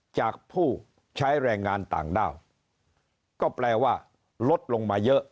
จากผู้ใช้แรงงานต่างด้าวก็แปลว่าลดลงมาเยอะ